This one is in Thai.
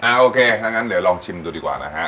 โอเคถ้างั้นเดี๋ยวลองชิมดูดีกว่านะฮะ